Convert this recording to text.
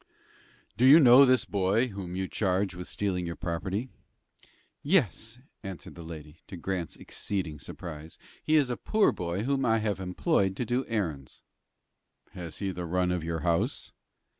"Do you know this boy whom you charge with stealing your property?" "Yes," answered the lady, to Grant's exceeding surprise; "he is a poor boy whom I have employed to do errands." "Has he had the run of your house?"